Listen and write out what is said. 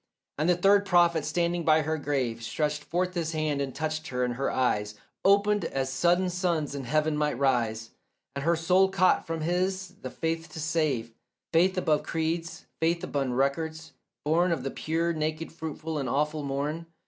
And the third prophet standing by her grave Stretched forth his hand and touched her, and her eyes Opened as sudden suns in heaven might rise, And her soul caught from his the faith to save; Faith above creeds, faith beyond records, born Of the pure, naked, fruitful, awful morn.